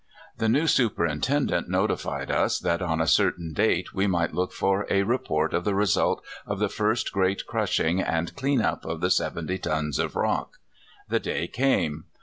The new superintendent notified us that on a certain date we might look for a report of the re sult of the first great crushing and clean up of the seventy tons of rock. The day came.